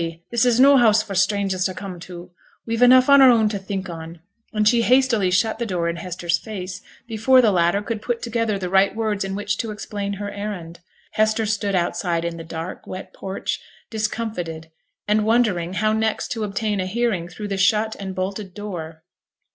This is no house for strangers to come to. We've enough on our own to think on;' and she hastily shut the door in Hester's face, before the latter could put together the right words in which to explain her errand. Hester stood outside in the dark, wet porch discomfited, and wondering how next to obtain a hearing through the shut and bolted door.